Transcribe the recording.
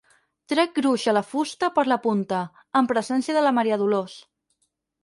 Trec gruix a la fusta per la punta, en presència de la Maria Dolors.